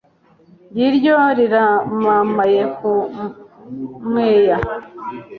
Ng'iryo riramamaye ku mweya